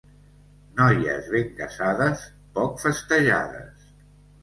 Noies ben casades, poc festejades.